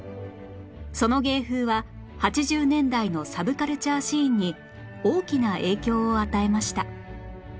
その芸風は８０年代のサブカルチャーシーンに大きな影響を与えました